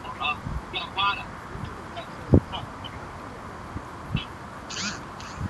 以下列出美国职棒大联盟美联历年在担任指定打击这个位置时获得银棒奖的球员。